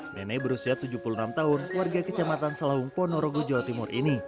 nenek berusia tujuh puluh enam tahun warga kecamatan selawung ponorogo jawa timur ini